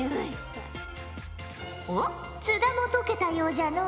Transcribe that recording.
おっ津田も解けたようじゃのう。